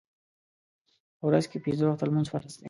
په ورځ کې پنځه وخته لمونځ فرض دی